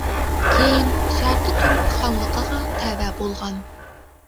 كېيىن شەرقى تۈرك خانلىقىغا تەۋە بولغان.